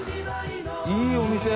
いいお店。